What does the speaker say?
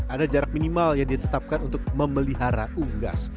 ada jarak minimal yang ditetapkan untuk memelihara unggas